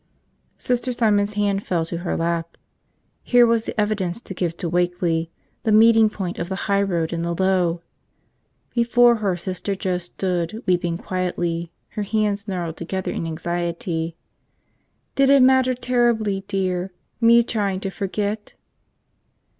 Sister Simon's hand fell to her lap. Here was the evidence to give to Wakeley, the meeting point of the high road and the low! Before her Sister Joe stood, weeping quietly, her hands gnarled together in anxiety. "Did it matter terribly, dear? Me trying to forget?"